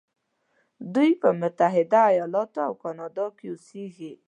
دوی په متحده ایلاتو او کانادا کې اوسیږي.